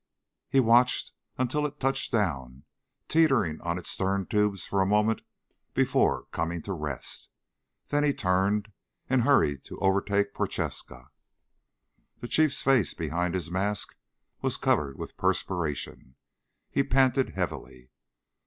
He watched until it touched down teetering on its stern tubes for a moment before coming to rest; then he turned and hurried to overtake Prochaska. The Chief's face behind his mask was covered with perspiration. He panted heavily.